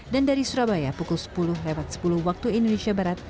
dan dari surabaya pukul sepuluh sepuluh waktu indonesia barat